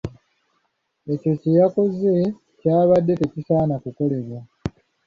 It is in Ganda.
Ekyo kye yakoze kyabadde tekisaana kukolebwa.